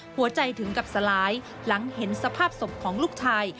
หัวใจถึงกับสลายหลังเห็นสภาพศพของลูกชาย